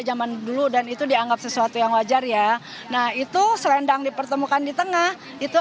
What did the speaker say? zaman dulu dan itu dianggap sesuatu yang wajar ya nah itu selendang dipertemukan di tengah itu